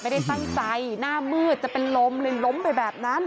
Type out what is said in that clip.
ไม่ได้ตั้งใจหน้ามืดจะเป็นลมเลยล้มไปแบบนั้น